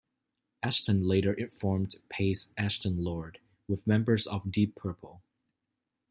Ashton later formed Paice Ashton Lord with members of Deep Purple.